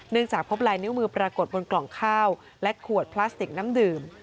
จากพบลายนิ้วมือปรากฏบนกล่องข้าวและขวดพลาสติกน้ำดื่ม